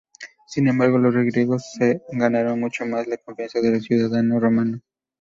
Sin embargo, los griegos se ganaron mucho más la confianza del ciudadano romano.